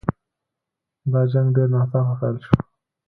دا جنګ ډېر ناڅاپه پیل شو.